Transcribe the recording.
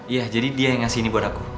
iya jadi dia yang ngasih ini buat aku